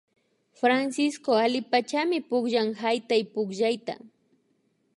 Francisco allipachami pukllan haytaypukllayta